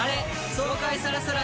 爽快さらさら